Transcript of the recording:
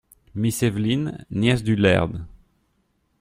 Miss Eveline, nièce du Laird.